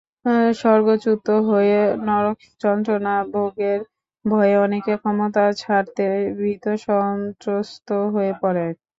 স্বর্গচ্যুত হয়ে নরকযন্ত্রণা ভোগের ভয়ে অনেকে ক্ষমতা ছাড়তে ভীতসন্ত্রস্ত হয়ে পড়েন।